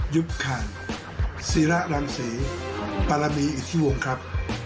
ยุคารสีระรังสีปารมีอิธิวงครับ